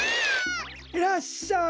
いらっしゃい！